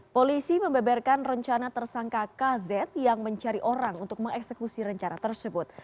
polisi membeberkan rencana tersangka kz yang mencari orang untuk mengeksekusi rencana tersebut